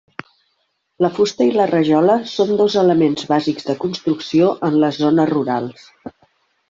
La fusta i la rajola són dos elements bàsics de construcció en les zones rurals.